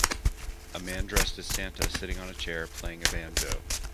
A man dressed as Santa sitting on a chair playing a banjo.